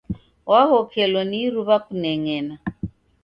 W'aghokelo ni iruw'a kuneng'ena.